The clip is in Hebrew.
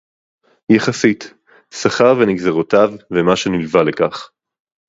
יחסית; שכר ונגזרותיו ומה שנלווה לכך